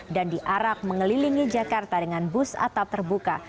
dan di arak mengelilingi jakarta dengan bus atap terbuka